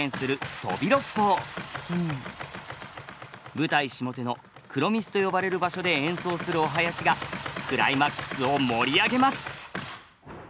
舞台下手の黒御簾と呼ばれる場所で演奏するお囃子がクライマックスを盛り上げます。